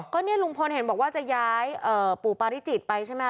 ก็เนี่ยลุงพลเห็นบอกว่าจะย้ายปู่ปาริจิตไปใช่ไหมค